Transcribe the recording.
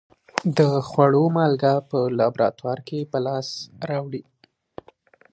د خوړو مالګه په لابراتوار کې په لاس راوړي.